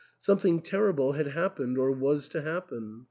Something terrible had happened or was to happen.